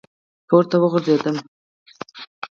پـورتـه وغورځـېدم ،